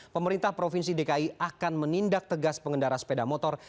pemerintah provinsi dki akan menindak tegas pengendara sepeda motor